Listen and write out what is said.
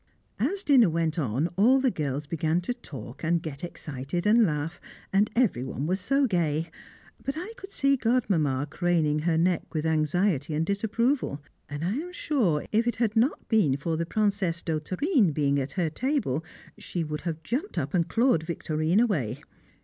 As dinner went on all the girls began to talk and to get excited, and laugh, and every one was so gay; but I could see Godmamma craning her neck with anxiety and disapproval, and I am sure, if it had not been for the Princesse d'Hauterine being at her table, she would have jumped up and clawed Victorine away.